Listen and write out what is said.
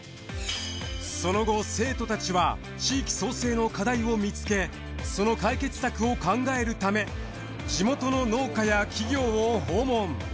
その後生徒たちは地域創生の課題を見つけその解決策を考えるため地元の農家や企業を訪問。